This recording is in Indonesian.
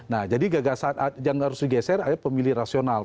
nah jadi gagasan yang harus digeser adalah pemilih rasional